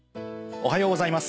おはようございます。